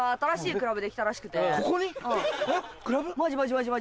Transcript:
クラブ。